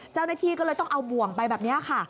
เจ้าหน้าที่ก็เลยต้องเอาบ่วงไปแบบนี้ค่ะ